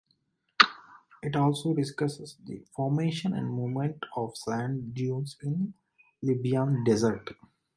It also discusses the formation and movement of sand dunes in the Libyan Desert.